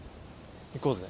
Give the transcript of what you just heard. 行こうぜ。